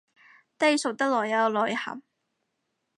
低俗得來又有內涵